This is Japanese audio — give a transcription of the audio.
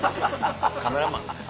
カメラマンですね。